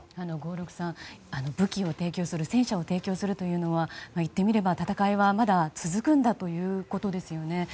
合六さん、武器を提供する戦車を提供するというのは言ってみれば、戦いはまだ続くんだということですよね。